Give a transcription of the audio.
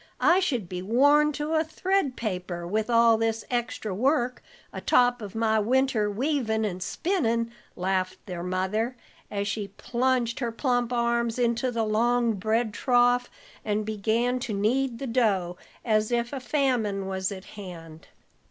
I should be worn to a thread paper with all this extra work atop of my winter weavin' and spinnin'," laughed their mother, as she plunged her plump arms into the long bread trough and began to knead the dough as if a famine was at hand.